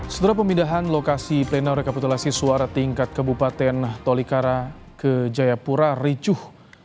setelah pemindahan lokasi pleno rekapitulasi suara tingkat kabupaten tolikara ke jayapura ricuh